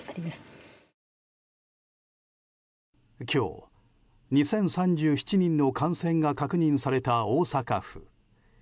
今日２０３７人の感染が確認された大阪府。